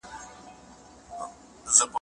په ټولنه کي د عدالت شتون د سولې لامل ګرځي.